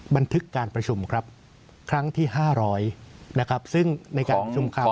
บันทึกการประชุมครับครั้งที่๕๐๐นะครับซึ่งในการประชุมคราว